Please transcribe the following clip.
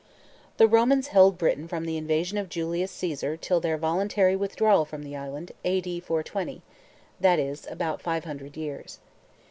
The Romans held Britain from the invasion of Julius Caesar till their voluntary withdrawal from the island, A.D. 420, that is, about five hundred years.